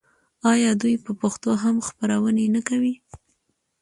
آیا دوی په پښتو هم خپرونې نه کوي؟